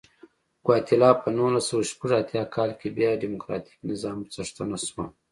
ګواتیلا په نولس سوه شپږ اتیا کال کې بیا ډیموکراتیک نظام څښتنه شوه.